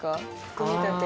組み立て。